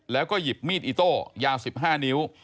แล้วก็หยิบมีดอิโต้ยาว๑๕นิ้ว